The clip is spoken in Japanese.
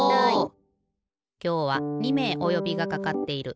きょうは２めいおよびがかかっている。